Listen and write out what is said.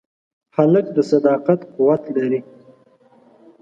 هلک د صداقت قوت لري.